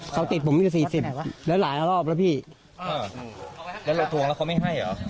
เขาติดผมอยู่สี่สิบแล้วหลายรอบแล้วพี่แล้วเราทวงแล้วเขาไม่ให้เหรอ